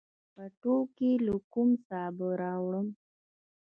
پټوکي لو کوم، سابه راوړمه